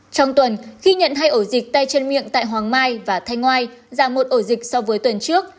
trong tuần khi nhận hai ổ dịch tay chân miệng tại hoàng mai và thanh ngoai giảm một ổ dịch so với tuần trước